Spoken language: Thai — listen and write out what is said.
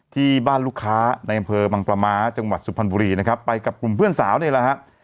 ที่บ้านลูกค้าในอำเภอบังปลาม้าจังหวัดสุพรรณบุรีนะครับไปกับกลุ่มเพื่อนสาวนี่แหละฮะ